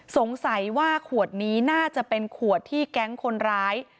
สงสัยว่าขวดนี้น่าจะเป็นขวดที่แก๊งคนร้าย